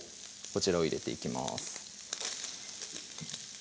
こちらを入れていきます